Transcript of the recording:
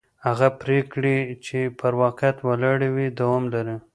هغه پرېکړې چې پر واقعیت ولاړې وي دوام لري